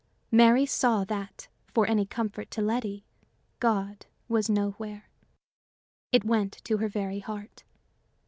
Mary saw that, for any comfort to Letty, God was nowhere. It went to her very heart.